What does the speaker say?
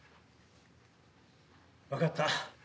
分かった。